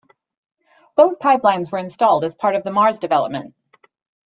Both pipelines were installed as part of the Mars development.